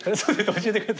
教えてくれた！